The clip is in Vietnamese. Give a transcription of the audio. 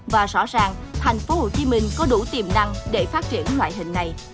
và rõ ràng thành phố hồ chí minh có đủ tiềm năng để phát triển loại hình này